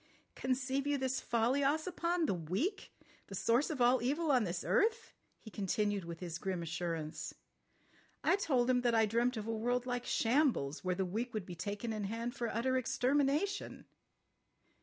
"Conceive you this folly, Ossipon? The weak! The source of all evil on this earth!" he continued with his grim assurance. "I told him that I dreamt of a world like shambles, where the weak would be taken in hand for utter extermination."